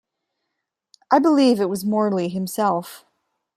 I believe it was Morley himself.